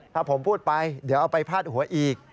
ถ้าผมพูดไปเดี๋ยวเอาไปพาดหัวอีก